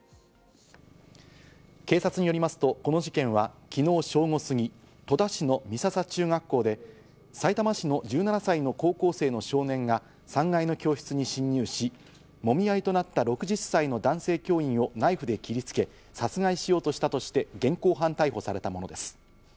警察によりますと、この事件は昨日正午過ぎ、戸田市の美笹中学校でさいたま市の１７歳の高校生の少年が３階の教室に侵入し、もみ合いとなった６０歳の男性教員をナイフで切りつけ、殺害しようとしたとして、現行犯逮捕されたものです。